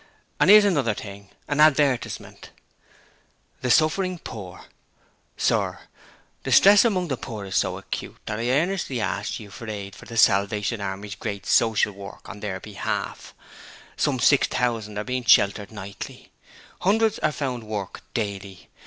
And 'ere's another thing, an advertisement: 'THE SUFFERING POOR Sir: Distress among the poor is so acute that I earnestly ask you for aid for The Salvation Army's great Social work on their behalf. Some 600 are being sheltered nightly. Hundreds are found work daily.